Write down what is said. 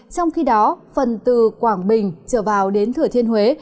trong khi đó phần từ quảng bình trở vào đến thừa thiên huế